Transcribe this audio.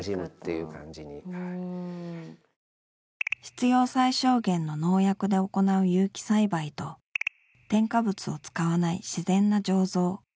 必要最小限の農薬で行う有機栽培と添加物を使わない自然な醸造。